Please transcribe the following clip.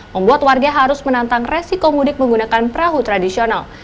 membuat warga harus menantang resiko mudik menggunakan perahu tradisional